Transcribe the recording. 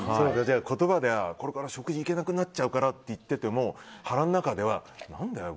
言葉ではこれから食事行けなくなっちゃうからって言ってても腹の中では、何だよ